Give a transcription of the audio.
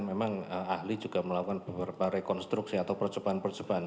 memang ahli juga melakukan beberapa rekonstruksi atau percobaan percobaan